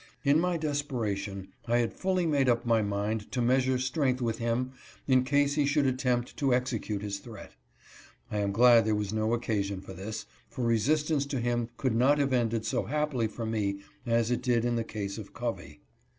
In my desperation I had fully made up my mind to measure strength with him in case he should attempt to execute his threat. I am glad there was no occasion for this, for resistance to him could not have ended so happily for me as it did in RESOLVED TO ESCAPE. 239 the case of Covey.